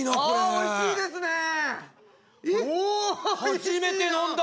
初めて飲んだ！